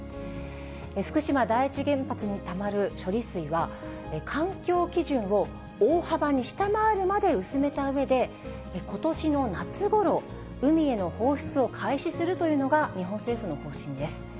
福島第一原発にたまる処理水は、環境基準を大幅に下回るまで薄めたうえで、ことしの夏ごろ、海への放出を開始するというのが日本政府の方針です。